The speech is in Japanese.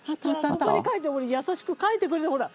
ここに書いて優しく書いてくれてるほら！